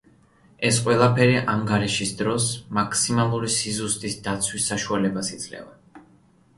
ეს ყველაფერი, ანგარიშის დროს, მაქსიმალური სიზუსტის დაცვის საშუალებას იძლევა.